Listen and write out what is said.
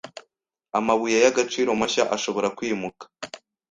amabuye y'agaciro mashya ashobora kwimuka